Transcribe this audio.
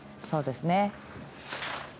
そうですね。